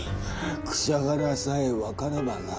「くしゃがら」さえ分かればなァ。